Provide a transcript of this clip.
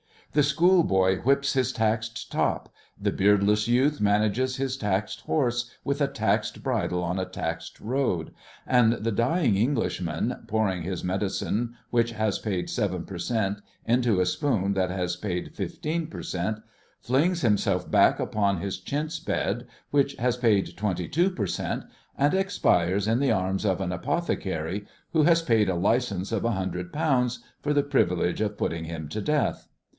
The school boy whips his taxed top ; the beardless youth manages his taxed horse with a taxed bridle on a taxed road ; and the dying Englishman, pouring his medicine which has paid seven per cent into a spoon that has paid fifteen per cent, flings himself back upon his chintz bed which has paid twenty two per cent, and expires in the arms of an apothecary who has paid a license of a hundred pounds for the privilege of putting him to death.